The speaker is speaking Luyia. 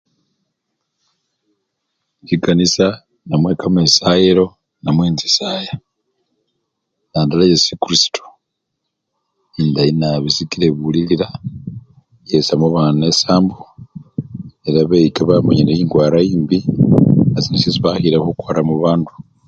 Chikanisa namwe kamesayilo namwe enchisaya nadale yesikrisito endayi nabii sikils ebulilila, yesamo babana esambo ela beyika bamanya engwara embii nasina shesi bakhile khukwara mubandu.